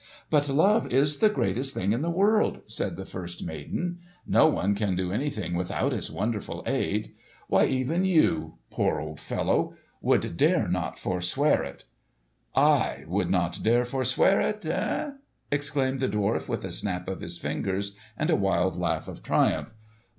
"But love is the greatest thing in the world!" said the first maiden. "No one can do anything without its wonderful aid. Why, even you—poor old fellow!—would not dare forswear it." "I would not dare forswear it—eh?" exclaimed the dwarf with a snap of his fingers and a wild laugh of triumph.